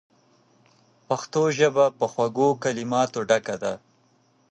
پښتو ژبه په خوږو کلماتو ډکه ده.